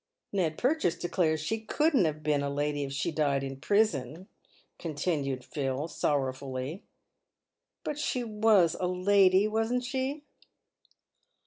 " Ned Purchase declares she couldn't have been a lady if she died in prison," continued Phil, sorrowfully. " But she was a lady — wasn't she